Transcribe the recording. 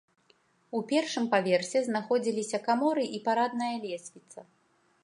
У першым паверсе знаходзіліся каморы і парадная лесвіца.